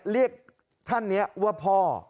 เรียกท่านนี้ว่าพ่อ